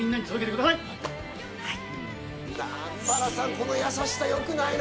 この優しさ、よくないな。